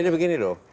jadi begini loh